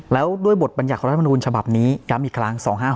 แล้วด้วยบทบรรยากรัฐมนูลฉบับนี้ย้ำอีกครั้ง๒๕๖